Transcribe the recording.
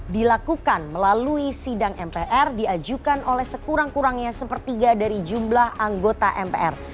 dilakukan melalui sidang mpr diajukan oleh sekurang kurangnya sepertiga dari jumlah anggota mpr